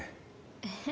えっ？